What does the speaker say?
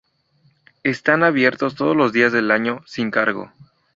Están abiertos todos los días del año sin cargo.